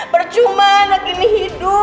pecuma anak ini hidup